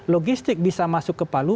logistik bisa masuk ke palu